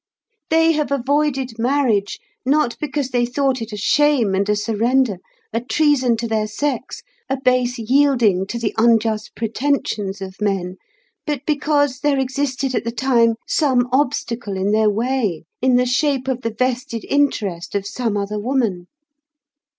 They have avoided marriage, not because they thought it a shame and a surrender, a treason to their sex, a base yielding to the unjust pretensions of men, but because there existed at the time some obstacle in their way in the shape of the vested interest of some other woman.